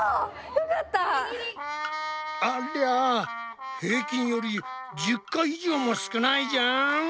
ありゃ平均より１０回以上も少ないじゃん！